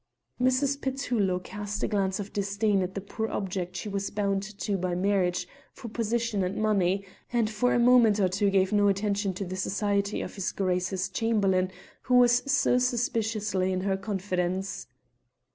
Mrs. Petullo cast a glance of disdain at the poor object she was bound to by a marriage for position and money, and for a moment or two gave no attention to the society of his Grace's Chamberlain, who was so suspiciously in her confidence.